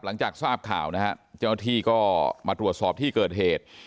หลังจากทราบข่าวนะฮะเจ้าหน้าที่ก็มาตรวจสอบที่เกิดเหตุ